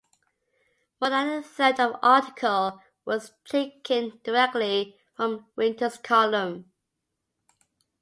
More than a third of the article was taken directly from Winter's column.